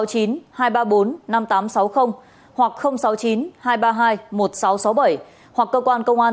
hoặc sáu mươi chín hai trăm ba mươi hai một nghìn sáu trăm sáu mươi bảy hoặc cơ quan công an